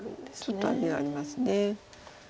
ちょっと味があります。